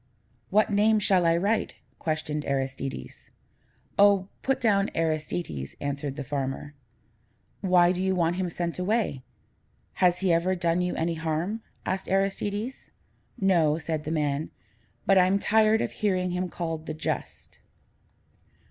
"What name shall I write?" questioned Aristides. "Oh, put down 'Aristides,'" answered the farmer. "Why do you want him sent away? Has he ever done you any harm?" asked Aristides. "No," said the man, "but I'm tired of hearing him called the Just."